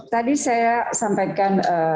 tadi saya sampaikan